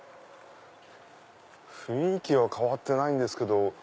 雰囲気は変わってないんですけど